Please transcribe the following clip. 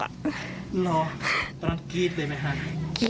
เหรอตอนนั้นกรี๊ดเลยไหมคะ